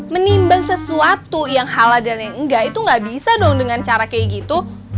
menimbang sesuatu yang halal dan yang enggak itu gak bisa dong dengan cara kayak gitu